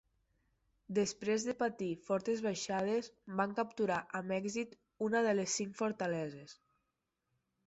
Després de patir fortes baixes van capturar amb èxit una de les cinc fortaleses.